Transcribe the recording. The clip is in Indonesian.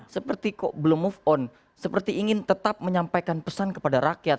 seperti kok belum move on seperti ingin tetap menyampaikan pesan kepada rakyat